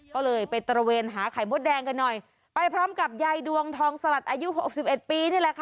ก็เลยไปตระเวนหาไข่มดแดงกันหน่อยไปพร้อมกับยายดวงทองสลัดอายุหกสิบเอ็ดปีนี่แหละค่ะ